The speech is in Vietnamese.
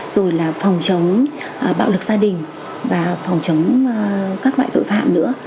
rồi là phòng chống bạo lực gia đình và phòng chống các loại tội phạm nữa